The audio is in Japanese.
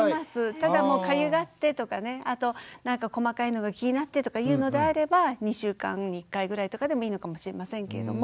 ただかゆがってとか細かいのが気になってとかいうのであれば２週間に１回ぐらいとかでもいいのかもしれませんけれども。